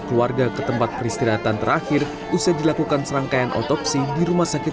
keluarga ke tempat peristirahatan terakhir usai dilakukan serangkaian otopsi di rumah sakit